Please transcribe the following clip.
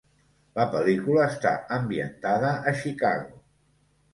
La pel·lícula està ambientada a Chicago.